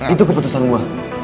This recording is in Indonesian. itu keputusan gue